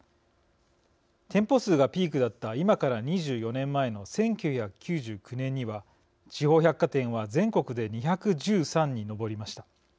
店舗数がピークだった今から２４年前の１９９９年には地方百貨店は全国で２１３に上りました。